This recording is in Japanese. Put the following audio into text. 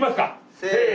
せの！